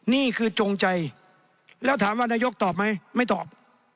นี่คือจงใจแล้วถามว่านายกตอบไหมไม่ตอบ